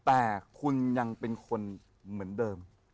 แต่คุณยังเป็นคนเหมือนเดิม